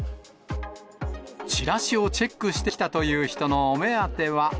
チラシをチェックしてきたという人のお目当ては。